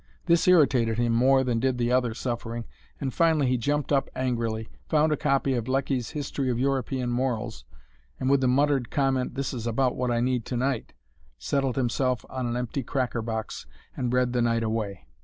This irritated him more than did the other suffering, and finally he jumped up angrily, found a copy of Lecky's "History of European Morals," and, with the muttered comment, "This is about what I need to night," settled himself on an empty cracker box and read the night away.